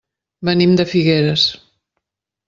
Venim de Figueres.